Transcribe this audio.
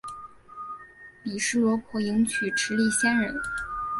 毗尸罗婆迎娶持力仙人。